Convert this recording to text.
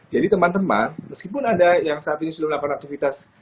jadi teman teman meskipun anda yang saat ini sudah melakukan aktivitas